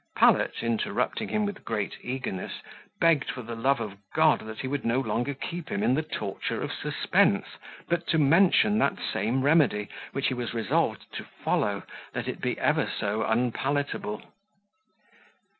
Pallet, interrupting him with great eagerness, begged for the love of God that he would no longer keep him in the torture of suspense, but mention that same remedy, which he was resolved to follow, let it be ever so unpalatable.